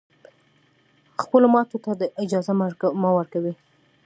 خپلو ماتو ته دا اجازه مه ورکوی